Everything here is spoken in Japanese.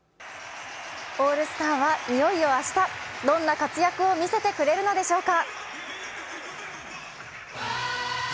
オールスターはいよいよ明日どんな活躍を見せてくれるのでしょうか。